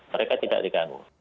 mereka tidak diganggu